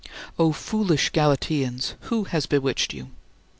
" "O foolish Galatians, who has bewitched you?"